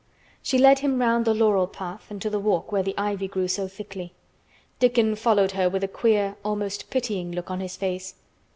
She led him round the laurel path and to the walk where the ivy grew so thickly. Dickon followed her with a queer, almost pitying, look on his face.